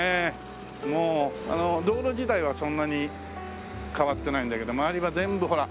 もう道路自体はそんなに変わってないんだけど周りは全部ほら。